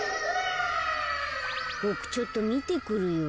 ボクちょっとみてくるよ。